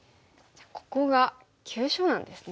ここが急所なんですね。